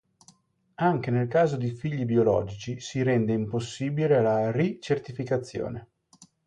Ed anche nel caso di figli biologici si rende impossibile la ri-certificazione.